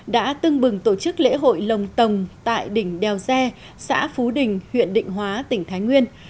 đã tưng bừng tổ chức lễ hội lồng tồng tại đỉnh đèo de xã phú đình huyện định hóa tỉnh thái nguyên